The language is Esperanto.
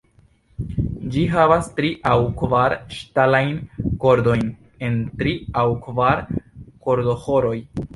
Ĝi havas tri aŭ kvar ŝtalajn kordojn en tri aŭ kvar kordoĥoroj.